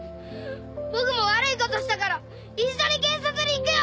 僕も悪いことしたから一緒に警察に行くよ。